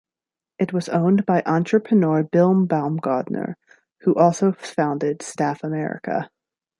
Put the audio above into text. It was owned by entrepreneur Bill Baumgardner, who also founded Staff America.